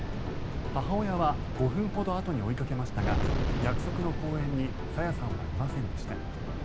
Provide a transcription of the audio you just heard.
母親は５分ほどあとに追いかけましたが約束の公園に朝芽さんはいませんでした。